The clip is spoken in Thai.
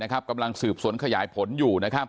กำลังสืบสวนขยายผลอยู่